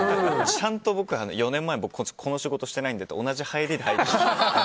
ちゃんと僕４年前この仕事してないんでって同じ入りで入るっていう。